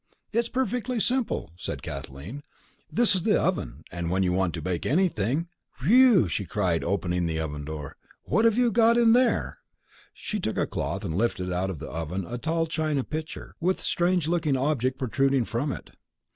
"It's perfectly simple," said Kathleen. "This is the oven, and when you want to bake anything Phew!" she cried, opening the oven door, "what have you got in here?" She took a cloth, and lifted out of the oven a tall china pitcher with a strange looking object protruding from it.